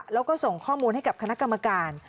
แล้วก็ส่งข้อมูลให้กับคณะกรรมการ